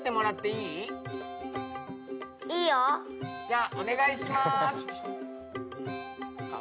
じゃあお願いします。